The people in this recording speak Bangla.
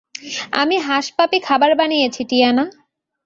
আমি হাশ পাপি খাবার বানিয়েছি, টিয়ানা।